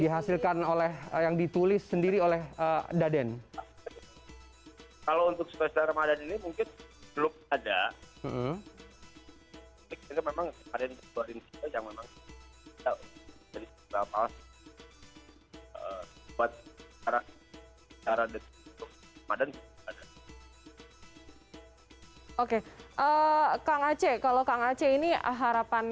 hai bapak buat para cara detik badan badan oke eh kang aceh kalau kang aceh ini harapan